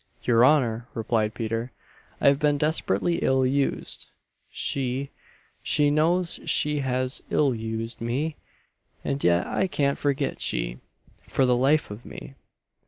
"Your honour," replied Peter, "I have been desperately ill used. She she knows she has ill used me: and yet I can't forget she, for the life of me!